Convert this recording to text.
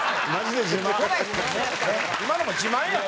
今のも自慢やん。